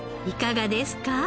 いかがですか？